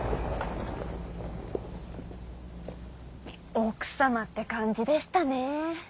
奥様って感じでしたねー。